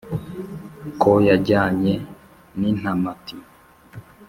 ko yajyanye n’ intamati